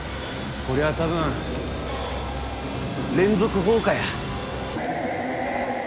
こりゃ多分連続放火や。